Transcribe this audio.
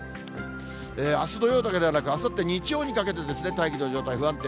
あす土曜だけでなく、あさって日曜にかけて、大気の状態、不安定。